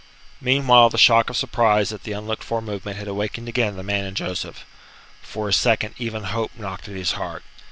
Meanwhile the shock of surprise at the unlooked for movement had awakened again the man in Joseph. For a second even Hope knocked at his heart.